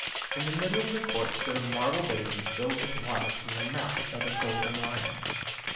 In the middle of the court stood a marble basin filled with water from the mouth of a golden lion.